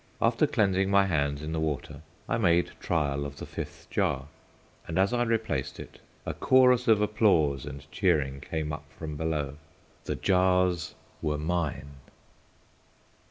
After cleansing my hands in the water, I made trial of the Fifth Jar, and, as I replaced it, a chorus of applause and cheering came up from below. The Jars were mine.